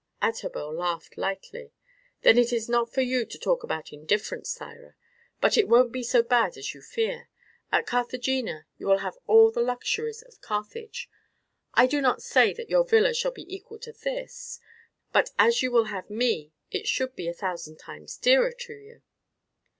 Adherbal laughed lightly. "Then it is not for you to talk about indifference, Thyra; but it won't be so bad as you fear. At Carthagena you will have all the luxuries of Carthage. I do not say that your villa shall be equal to this; but as you will have me it should be a thousand times dearer to you."